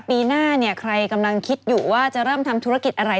ปีหน้าเนี่ยใครกำลังคิดอยู่ว่าจะเริ่มทำธุรกิจอะไร